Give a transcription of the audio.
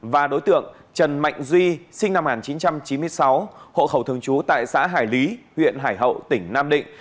và đối tượng trần mạnh duy sinh năm một nghìn chín trăm chín mươi sáu hộ khẩu thường trú tại xã hải lý huyện hải hậu tỉnh nam định